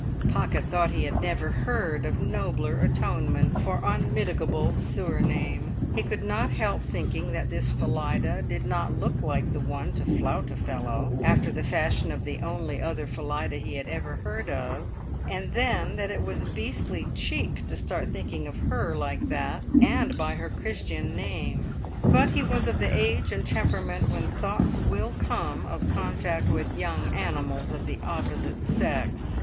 Pocket thought he had never heard of nobler atonement for unmitigable surname. He could not help thinking that this Phillida did not look the one to flout a fellow, after the fashion of the only other Phillida he had ever heard of, and then that it was beastly cheek to start thinking of her like that and by her Christian name. But he was of the age and temperament when thoughts will come of contact with young animals of the opposite sex.